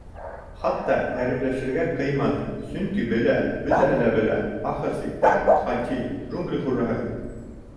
Хатта әрепләшергә ҡыйманы, сөнки белә, бөтәһе лә белә — ахыр сиктә, Хати — джунгли хужаһы.